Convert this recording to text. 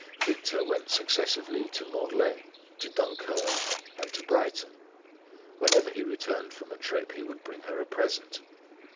Victor went successively to Morlaix, to Dunkirk, and to Brighton; whenever he returned from a trip he would bring her a present.